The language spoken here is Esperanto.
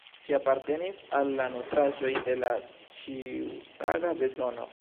Ĝi apartenis al la nutraĵoj de la ĉiutaga bezono.